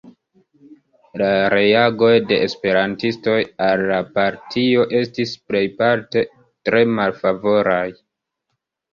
La reagoj de esperantistoj al la partio estis plejparte tre malfavoraj.